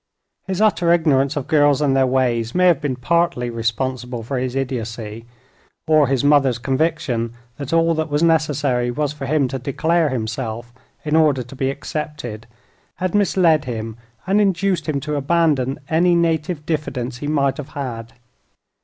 His utter ignorance of girls and their ways may have been partly responsible for his idiocy, or his mother's conviction that all that was necessary was for him to declare himself in order to be accepted had misled him and induced him to abandon any native diffidence he might have had.